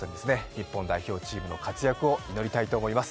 日本代表チームの活躍を祈りたいと思います。